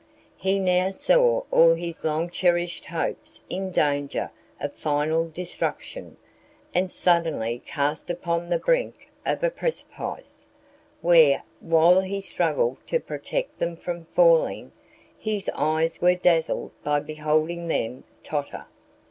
He now saw all his long cherished hopes in danger of final destruction, and suddenly cast upon the brink of a precipice, where, while he struggled to protect them from falling, his eyes were dazzled by beholding them totter.